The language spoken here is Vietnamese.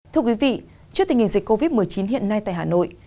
thưa quý vị trước tình hình dịch covid một mươi chín hiện nay tại hà nội